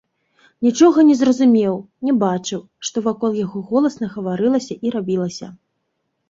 Нічога не зразумеў, не бачыў, што вакол яго голасна гаварылася і рабілася.